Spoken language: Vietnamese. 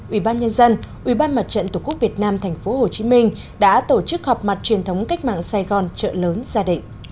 ủy ban nhân dân ủy ban mặt trận tổ quốc việt nam tp hcm đã tổ chức họp mặt truyền thống cách mạng sài gòn trợ lớn gia đình